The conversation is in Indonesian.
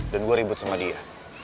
dan gue ribet sama dia